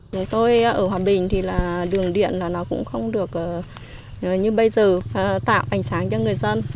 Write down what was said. với tôi ở hòa bình thì là đường điện nó cũng không được như bây giờ tạo ảnh sáng cho người dân